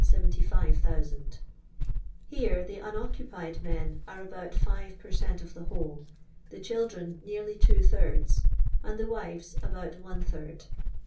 7,075,000 Here the unoccupied men are about 5 per cent of the whole, the children neariy two thirds, and the wives about one third.